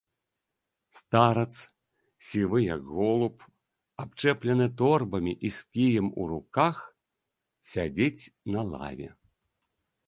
Старац сівы, як голуб, абчэплены торбамі і з кіем у руках сядзіць на лаве.